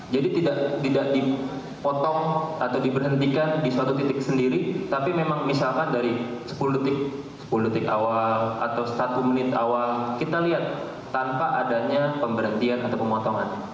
jadi tidak dipotong atau diberhentikan di suatu titik sendiri tapi memang misalkan dari sepuluh detik awal atau satu menit awal kita lihat tanpa adanya pemberhentian atau pemotongan